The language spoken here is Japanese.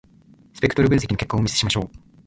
スペクトル分析の結果をお見せしましょう。